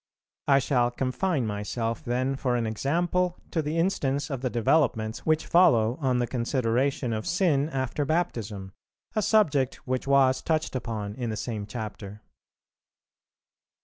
I shall confine myself then for an example to the instance of the developments which follow on the consideration of sin after Baptism, a subject which was touched upon in the same Chapter.